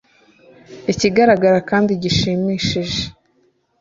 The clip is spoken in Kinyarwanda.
Ikigaragara kandi gishimishije